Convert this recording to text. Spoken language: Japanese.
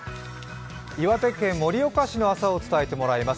岩手県盛岡市の朝を伝えてもらいます。